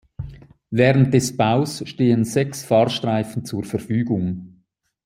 Während des Baus stehen sechs Fahrstreifen zur Verfügung.